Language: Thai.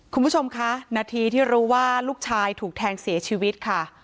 คุณผู้ชมคะนาทีที่รู้ว่าลูกชายถูกแทงเสียชีวิตค่ะ